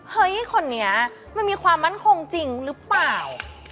เฮ้ยคนนี้มันมีความมั่นคงจริงหรือเปล่า